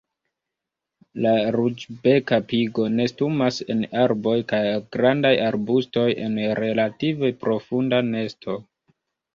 La Ruĝbeka pigo nestumas en arboj kaj grandaj arbustoj en relative profunda nesto.